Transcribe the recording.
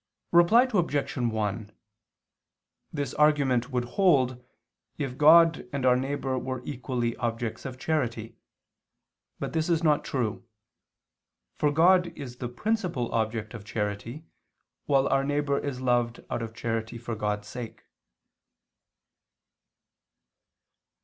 Reply Obj. 1: This argument would hold, if God and our neighbor were equally objects of charity. But this is not true: for God is the principal object of charity, while our neighbor is loved out of charity for God's sake.